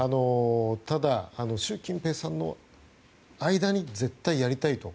ただ、習近平さんの間に絶対にやりたいと。